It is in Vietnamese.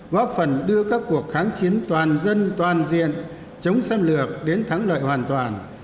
góp phần đưa các cuộc kháng chiến toàn dân toàn diện chống xâm lược đến thắng lợi hoàn toàn